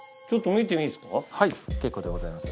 はい結構でございます。